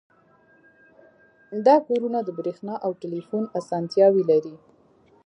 دا کورونه د بریښنا او ټیلیفون اسانتیاوې لري